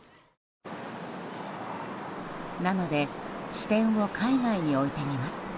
なので視点を海外に置いてみます。